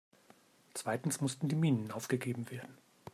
Zweitens mussten die Minen aufgegeben werden.